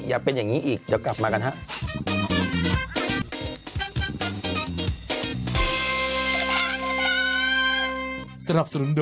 อย่าเป็นอย่างนี้อีกเดี๋ยวกลับมากันครับ